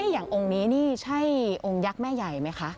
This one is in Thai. อย่างองค์นี้นี่ใช่องค์ยักษ์แม่ใหญ่ไหมคะ